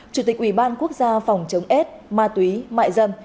chủ tịch ủy ban quốc gia phòng chống ết ma túy mại dâm